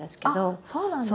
そうなんですか。